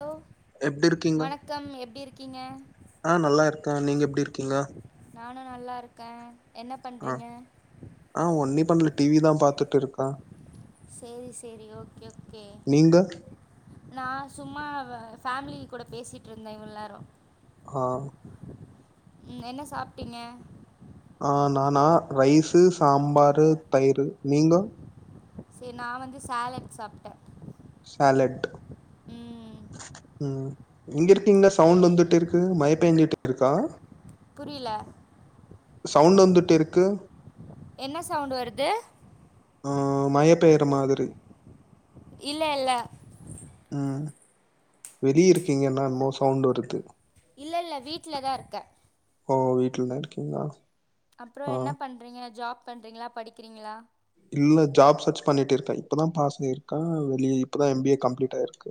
hello எப்டி இருக்கீங்க வணக்கம் எப்படி இருக்கீங்க ஆ நல்லா இருக்கே நீங்க எப்டி இருக்கீங்க நானு நல்லா இருக்கே என்ன ஆ பண்றீங்க ஆ ஒன்னி பண்ணல டி வி தா பாத்துட்டு இருக்கா சேரி சேரி ஓகே ஓகே நீங்க நா சும்மா ஃபேமிலி கூட பேசிட்டு இருந்தே இவ்ளே நேரோ ஆ ம் என்ன சாப்ட்டீங்க ஆ நானா ரைஸு சாம்பாரு தயிரு நீங்க சேர் நா வந்து சேலட் சாப்ட்டே சேலட் ம் எங்க இருக்கீங்க சவுண்ட் வந்துட்டு இருக்கு மயப்பேஞ்சிட்டு இருக்கா புரியல சவுண்ட் வந்துட்டு இருக்கு என்ன சவுண்ட் வருது அ மய பெயிற மாதிரி இல்ல இல்ல ம் வெளிய இருக்கீங்கன்னா என்மோ சவுண்டு வருது இல்ல இல்ல வீட்ல தா இருக்கே ஓ வீட்லதா இருக்கீங்களா அப்றோ ஆ என்ன பண்றிங்க ஜாப் பண்றீங்களா படிக்கிறீங்களா இல்ல ஜாப் சர்ச் பண்ணிட்டு இருக்கே இப்பதா பாஸ் பண்ணிருக்கே ஒன்லி இப்பதா எம் பஏ கம்ப்ளீட் ஆயிருக்கு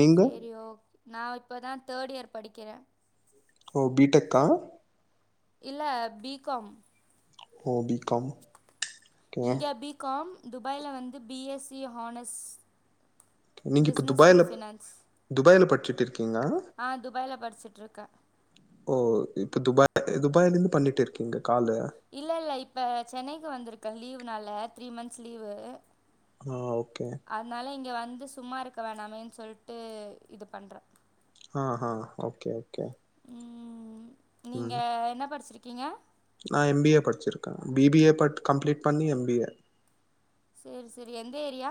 நீங்க செரி ஓக் நா இப்பதா தேட் இயர் படிக்கிறே ஓ பீ டெக்கா இல்ல பி காம் ஓ பி காம் ஓகேங்க காம் துபாயில வந்து பி எஸ் சி ஹானஸ் நீங்க இப்போ துபாய்ல துபாயில படிச்சுட்டு இருக்கீங்கள ஆ துபாயில படிச்சுட்டுருக்கே ஓ இப்ப துபாய்யிலே துபாய்ல இருந்து பண்ணிட்டு இருக்கிங்க காலு இல்ல இல்ல இப்ப சென்னைக்கு வந்திருக்கே லீவுனால த்ரீ மன்த்ஸ் லீவு ஆ ஓகே அதனால இங்கே வந்து சும்மா இருக்க வேணாமேன்னு சொல்ட்டு இது பண்றே ஆஹா ஓகே ஓகே ம் நீங்க என்ன படிச்சிருக்கீங்க ந எம் பி ஏ படிச்சிருக்கே B B A but complete பண்ணி எம் பி ஏ சேரி சேரி எந்த ஏரியா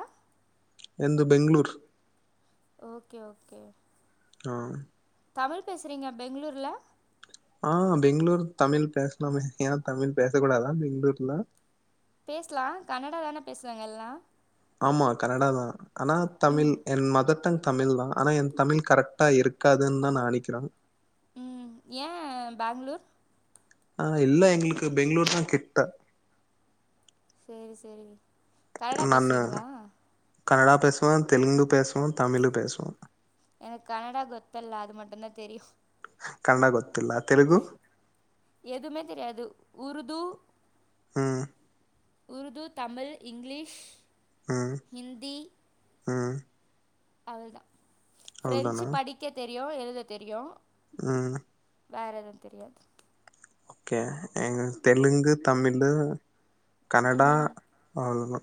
எந்த பெங்ளூர் ஓகே ஓகே ஆ தமிழ் பேசுறீங்க பெங்ளூர்ல அ பெங்ளூர் தமில் பேசலாமே ஏ தமிழ் பேச கூடாதா பெங்ளூர்ல பேச்லா கன்னடா தானே பேச்றாங்க எல்லா ஆமா கனடா தா ஆனா தமிழ் ம் என் மதர் டங் தமிழ் ஆனா என தமிழ் கரெக்டா இருக்காதுன்னு தான் நா நினைக்றா ம் ஏ பேங்ளூர் அ இல்ல எங்ளுக்கு பெங்ளூர்தா கிட்ட சேரி சேரி கனடா நான்னு பேசுவீங்களா கன்னடா பேசுவே தெலுங்கு பேசுவே தமிழ் பேசுவே எனக்கு கன்னடா கொத்தல்ல அது மட்டு தா தெரியு கன்னட கொத்தல்ல தெலுகு எதுமே தெரியாது உருது ம் உருது தமிழ் இங்லீஷ் ம் ஹிந்தி ம் அதுதா ப்ரெஞ்சு படிக்க தெரியு எழுத தெரியு ம் வேற எது தெரியாது ஓகே எங்லுக் தெலுங்கு தமிழ்ழு கன்னடா ம் அவ்லோதா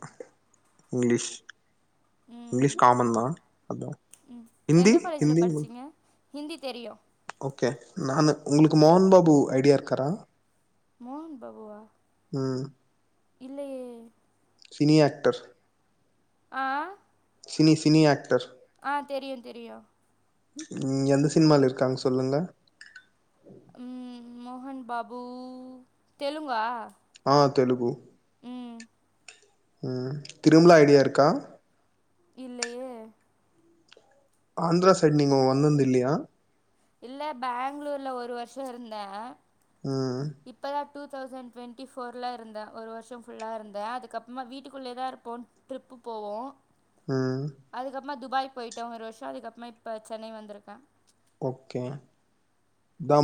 இங்லீஷ் ம் இங்லீஷ் காமன்தா அதா ஹிந்தி எந்த காலேஜ்ல ஹிந்தி படிச்சீங்க ஹிந்தி தெரியு ஓகே நானு உங்ளுக்கு மோகன் பாபு ஐடியா இருக்காரா மோகன் பாபுவா ம் இல்லையே சினி ஆக்டர் ஆ சினி சினி ஆக்டர் ஆ தெரியு தெரியு ம் எந்த சினிமால இருக்காங்க சொல்லுங்க ம் மோகன் பாபு தெலுங்கா ஆ தெலுகு ம் ம் திரும்ளா ஐடியா இருக்கா இல்லையே ஆந்திரா சைடு நீங்க வந்திந்துந்து இல்லையா இல்ல பெங்ளூர்ல ஒரு வர்ஷோ இருந்தே ம் இப்போ தான் டூ தௌசண்ட் டுவெண்ட்டி ஃபோரல் இருந்தேன் ஒரு வருஷம் ஃபுல்லா இருந்தேன் அதுக்கப்புறமா வீட்டுக்குள்ளே தான் இருப்போ ட்ரிப்பு போவோம் ம் அதுக்கப்புறமா துபாய் போயிட்டேன் ஒரு வருஷம் அதுக்கப்புறமா இப்ப சென்னை வந்திருக்கேன் ஓகே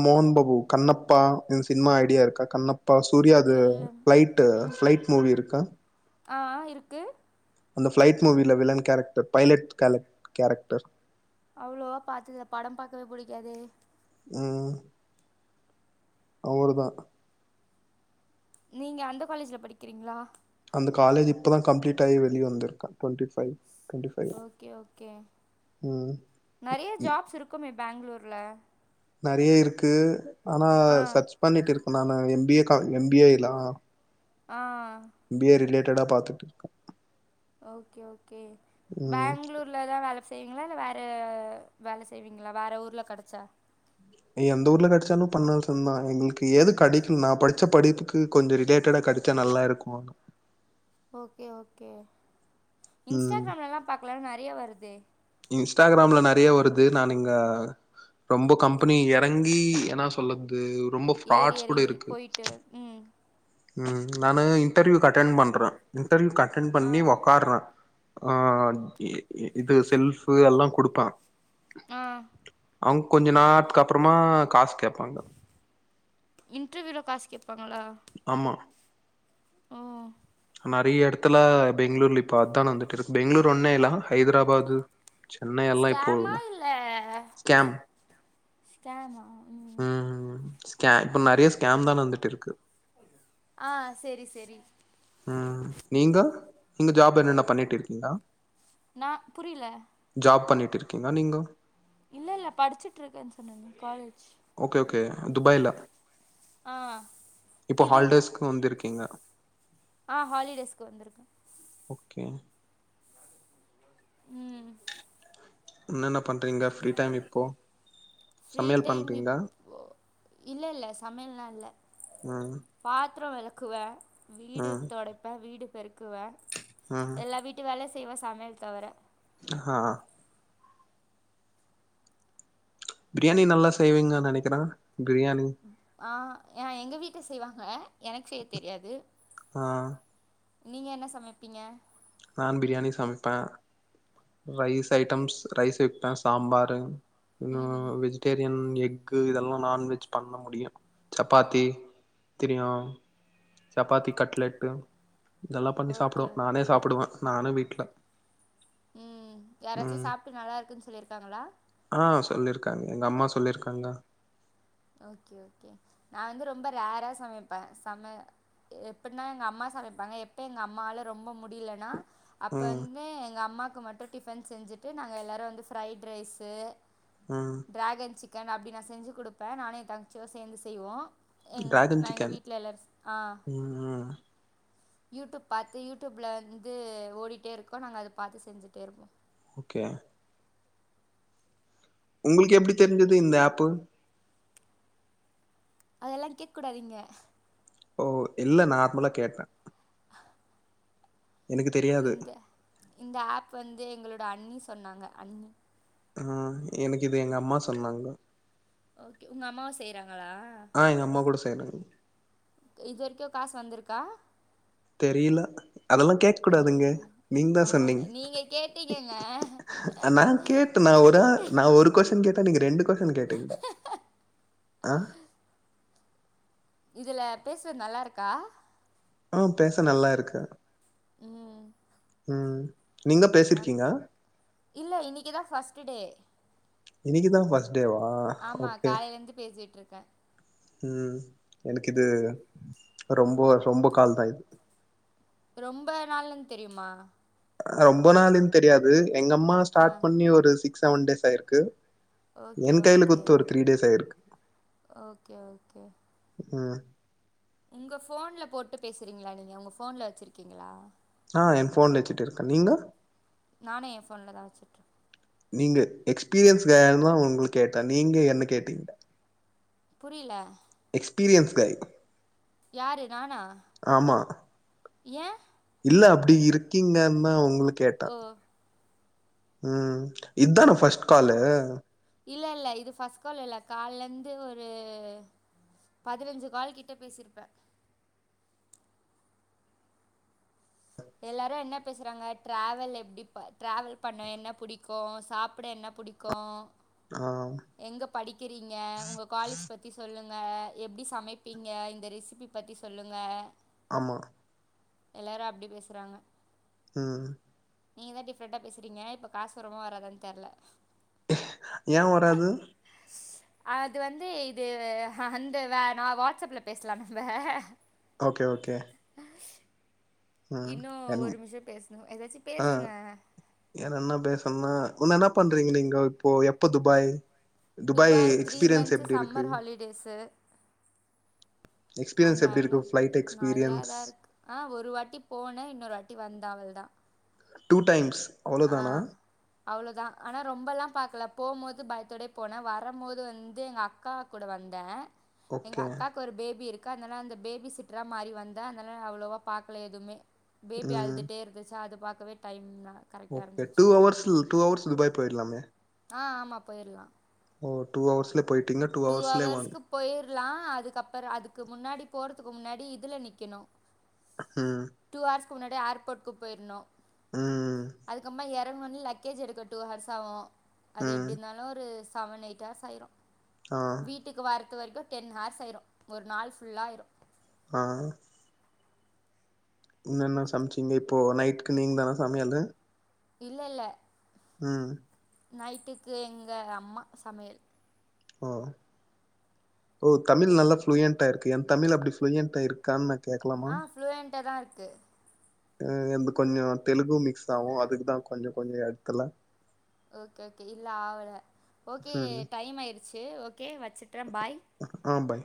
மோகன் பாபு கண்ணப்பா என் சினிமா ஐடியா இருக்கா கண்ணப் இப்பா சூர்யாது இல்ல பிளைட்டு ம்ஹூம் ப்ளைட் மூவி இருக்கா ஆ ஆ இருக்கு அந்த பிளைட் மூவியில வில்லன் கேரக்டர் பைலட் கேலக் கேரக்டர் அவ்வளோவா பாத்ததுல்ல படம் பாக்கவே புடிக்காதே ம் அவரு தான் நீங்க அந்த காலேஜில படிக்கிறீங்களா அந்த காலேஜ் இப்பதான் கம்ளீட் ஆயி வெளிய வந்துருக்கேன் twenty five twenty five okay okay ம் நெறைய ஜாப்ஸ் இருக்குமே பாங்களூர்ல நெறைய இருக்கு ஆனா ஆ சர்ச் பண்ணிட்டு இருக்கேன் நானு எம் பி ஏ கா, எம் பி ஏ லாம் ஆ எம் பி ஏ ரிலேட்டடா பாத்துட்டுக்கேன் ஓகே ஓகே ம் பாங்களூர் தான் வேல செய்வீங்களா இல்ல வேற வேல செய்வீங்களா வேற ஊர்ல கிடைச்சா எந்த ஊர்ல கிடைச்சாலும் பண்னோஷம் தான் எங்களுக்கு எது கிடைக்கும் நான் படிச்ச படிப்புக்கு கொஞ்சம் ரிலேட்டடா கிடைச்சா நல்லா இருக்கும் ஓகே ஓகே ம் இன்ஸ்டாகிராம்லலாம் பாக்கலாம்ல நெறையா வருதே இன்ஸ்டாகிராம்ல நெறைய வருது நான் இங்க ரொம்ப கம்பெனி இறங்கி என்னா சொல் றது ரொம்ப ஃபார்ஸ் கூட இருக்கு டு ம் ம் நானு இன்டர்வியூக்கு அட்டன்ட் பண்றேன் இன்டர்வியூக்கு அட்டன்ட் ஆ பண்ணி வொக்காறுறேன் அ இது செல்பு எல்லாம் குடுப்பான் ஆ அவங்க கொஞ்ச நேரத்துக்கு அப்பறமா காசு கேப்பாங்க இன்டர்வியூல காசு கேப்பாங்களா ஆமா ஓ நறைய இடத்துல பெங்களூர்ல பாத்தா வந்துட்டு இருக்கு பெங்களூர் ஒன்னே இல்ல ஹைதராபாத் சென்னை எல்லாம் இப்போ ஸ்கேமா இல்ல ஸ்கேம் ஸ்கேமா ம் ஸ்கேம் இப்போ நறைய ஸ்கேம் தான் நடந்துட்டு இருக்கு ஆ சேரி சேரி ம் நீங்க நீங்க ஜாப் என்னென்ன பண்ணிட்டு இருக்கீங்க நா புரில ஜாப் பண்ணிட்டு இருக்கீங்கா நீங்க இல்ல இல்ல படிச்சுட்டு இருக்கேன்னு சொன்னனே காலேஜ் ஓகே ஓகே துபாய்ல ஆ இப்போ இது ஹாலிடேஸ்க்கு வந்திருக்கீங்க ஆ ஹாலிடேஸ்க்கு வந்திருக்கேன் ஓகே ம் என்னென்ன பண்றீங்க ஃப்ரீ டைம் இப்போ ஃப்ரீ சமையல் டைம் பண்றீங்க இப்போ இல்ல இல்ல சமையல்லா இல்ல ம் பாத்திரோ வெளக்குவே வீடு ம் தொடைப்பே வீடு பெருக்குவே ம் எல்லா வீட் வீட்டு வேலயு செய்வே சமையல் தவிர ஆ பிரியாணி நல்லா செய்வீங்க நெனைக்கிறே பிரியாணி ஆ ஏ எங்க வீட்ல செய்வாங்க எனக்கு செய்ய தெரியாது ஆ நீங்க என்ன சமைப்பீங்க நான் பிரியாணி சமைப்பே ரைஸ் ஐட்டம்ஸ் ரைஸ் வெப்பே சாம்பாரு இன்னு ம் வெஜிடேரியன் எக்கு இதெல்லா நான்வெஜ் பண்ண முடியு சப்பாத்தி தெரியு சப்பாத்தி கட்லெட்டு இதெல்லா பண்ணி சாப்டுவோ ஓகே நானே ஓகே வே நானு வீட்ல ம் யாராச்சி ம் சாப்ட்டு நல்லா இருக்குன்னு சொல்லி இருக்காங்களா ஆ சொல்லி இருக்காங்க எங்க அம்மா சொல்லி இருக்காங்க ஓகே ஓகே நா வந்து ரொம்ப ரேரா சமைப்பே சம எப்டின்னா எங்க அம்மா சமைப்பாங்க எப்ப எங்க அம்மால ரொம்ப முடியலன்னா அப்ப ம் வந்து எங்க அம்மாக்கு மட்டும் டிஃபன் செஞ்சிட்டு நாங்க எல்லாரு வந்து ஃப்ரைட் ரைஸு ம் ட்ராகன் சிக்கன் அப்டி நா செஞ்சி குடுப்பே நானு என் தங்கிச்சியு சேந்து செய்வோ எங்களுக் டிராகன் நா எங்க சிக்கன் வீட்ல எல்லாரு ஆ ம் ம் யூடியூப் பாத்து யூடியூபில வந்து ஓடிட்டே இருக்கு நாங்க அத பாத்து செஞ்சிட்டே இருப்போ ஓகே உங்களுக்கு எப்புடி தெரிஞ்சது இந்த ஆப்பு அதெல்லா கேக்க கூடாது இங்க ஓ இல்ல நார்மலா கேட்டே எனக்கு தெரியாது இந்த இந்த ஆப் வந்து எங்களோட அண்ணி சொன்னாங்க அண்ணி ஆ எனக்கு இது எங்க அம்மா சொன்னாங்கோ ஓகே உங்க அம்மாவு செய்றாங்களா ஆ எங்க அம்மா கூட செய்றாங்க இதுவரைக்கு காசு வந்திருக்கா தெரில அதெல்லா கேக்க கூடாதுங்க தெரில நீங்க தா ஆமாங்க சொன்னீங்க நீங்க கேட்டீங்கங்க நான் கேப் க்கு நா ஒரு ஆ நா ஒரு கொஸ்டின் கேட் நீங்க ரெண்டு கொஸ்டின் கேட்டீங்க ஆ இதுல பேசுறது நல்லா இருக்கா ஆ பேச நல்லா இருக்கே ம் ம் நீங்க நா பேசிருக்கீங்க இல்ல இன்னைக்கி தா ஃபர்ஸ்ட் டே இன்னைக்கி தா ஃபர்ஸ்ட் டே வா ஆமா ஓகே காலையிலேருந்து பேசிகிட்ருக்கே ம் எனக்கு இது ரொம்ப ரொம்ப கால் தா இது ரொம்ப நாள்னு தெரிமா ரொம்ப நாள்னு தெரியாது எங்க அம்மா ஆ ஸ்டார்ட் பண்ணி ஒரு சிக்ஸ் செவன் டேஸ் ஆயிருக்கு ஓகே என் கையில குடுத்து ஒரு த்ரீ டேஸ் ஆயிருக்கு ஓக்கே ஓக்கே ம் உங்கள் ஃபோன்ல போட்டு பேசுறீங்களா நீங்க உங்க ஃபோன்ல வச்சுருக்கீங்களா என் ஃபோன்ல வச்சுட்டுருக்கே நீங்க நானு எ ஃபோன்ல தா வச்சுட்டுரு நீங்க எக்ஸ்பீரியன்ஸ் வேணுமா உங்களு கேட்ட நீங்க என்ன கேட்டீங்க புரியல எக்ஸ்பீரியன்ஸ் காய் யாரு நானா ஆமா ஏ இல்ல அப்டி இருக்கீங்கன் தா உங்களு கேட்ட ஓ ம் இதானா ஃபஸ்ட் காலு இல்ல இல்ல இது ஃபஸ் காலில்ல கால்ல இருந்து ஒரு பதினஞ்சு கால் கிட்ட பேசிருப்ப எல்லாரு என்ன பேசுறாங்க ட்ராவல் எப்டி ப ட்ராவல் பண்ண என்ன பிடிக்கோ சாப்ட என்ன புடிக் கோ ஆவ் எங்க படிக்கிறீங்க உங்க காலேஜ் பத் தி சொல்லுங்க எப்டி சமைப்பீங்க இந்த ரெசிபி பத்தி சொல்லுங்க ஆமா எல்லாரு அப்டி பேசுறாங்க ம் நீங்க தா டிஃப்ரண்டா பேசுறீங்க இப்ப காசு வருமா வராதான் தெர்ல ஏ வராது [inaudible] அது வந்து இது அந்த வ நா வாட்ஸ்அப்ல பேசலானுங்க ஓக்கே ஓக்கே இன்னோ என் ஒரு நிம்ஷோ பேசணு ஏதாச்சு பேசுங்க ஏன் என்ன பேசன்மா உன்ன என்ன பண்றீங்க இங்க இப்போ எப்ப துபாய் துபாய் எக்ஸ்பீரியன்ஸ் எப்டி இருக்கு இ டேசு எக்ஸ்பீரியன்ஸ் எப்டி அன்னால இருக்கு ஃப்ளைட் நல்லா எக்ஸ்பீரியன்ஸ் தா இருக்கு ஆ ஒரு வாட்டி போன இன்னொரு வாட்டி வந்த அவள் தா டூ டைம்ஸ் ஆ அவ்ளோதானா அவ்வளோதா ஆனா ரொம்பல்லா பாக்கல போம் போது பயத்தோடே போனே வரம் போது வந்து எங்க அ க்கா கூட வந்த எங்க ஓகே அக்காக் கு ஒரு பேபி இருக்கு அன்னால அந்த பேபி சிட்ரா மாறி வந்தா அன்னால அவ்வளோவா பாக்கல எதுமே பேபி ம் அழுதுட்டே இருந்துச்சா அது பாக்கவே டைம்னா ஓக்கே டூ அவர்ஸுல் டூ அவர்ஸ் துபாய் போயிர்லாமே ஆ ஆமா போயிர்லா ஓ டூ அவர்ஸ்ல போய் டூ அவர்ஸ்க்கு போயிர்லா அதுக்கப்பறோ அதுக்கு முன்னாடி போறதுக்கு முன்னாடி இதுல நிக்கணு ம் டூ ஹார்ஸ்க்கு முன்னாடி ஏர்போர்ட்க்கு போயிருனு ம் அதுக்குமுன்ன எறங்குனோனே லக்கேஜ் எடுக்க டூ ஹார்ஸ் ஆவு அது ம் எப்டி இருந்தாலு ஒரு செவன் எயிட் ஹார்ஸ் ஆயிரு ஆ வீட்டுக்கு வரத்து வரைக்கு டென் ஹார்ஸ் ஆயிரு ஒரு நாள் ஃபுல்லா ஆயிரு ஆ இன்னு என்ன சமைச்சிங்க இப்போ நைட்டுக்கு நீங்கதானா சமையலு இல்ல இல்ல ம் நைட்டுக்கு எங்க அம்மா சமையல் ஓ ஓ தமிழ் நல்லா ப்ளூயன்ட்டா இருக்கு என் தமிழ் அப்டி ப்ளூயண்டா இருக் கானு கேக்கலமா ஆ ஃப்ளூயண்ட்டாக தான் இருக்குது அ என்து கொஞ்சோ தெலுங்கு மிக்ஸ் ஆவு அதுக்குதா கொஞ்ச கொஞ்ச எடத்துல ஓகே ஓகே இல்ல ஆகலை ஓகே ம் டைம் ஆயிடுச்சி ஓகே வச்சுட்டா பாய் ம், ஆ பாய்